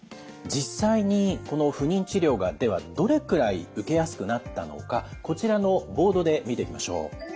実際にこの不妊治療がではどれくらい受けやすくなったのかこちらのボードで見ていきましょう。